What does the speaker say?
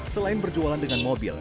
selain berjualan dengan mobil